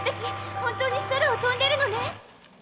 本当に空を飛んでいるのね。